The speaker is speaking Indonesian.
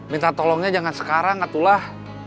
minta tolongnya jangan sekarang atulah